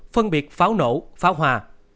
một phân biệt pháo nổ pháo hoa